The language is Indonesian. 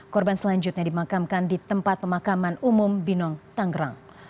korban selanjutnya dimakamkan di tempat pemakaman umum binong tanggerang